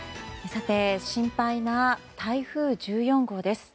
さて、心配な台風１４号です。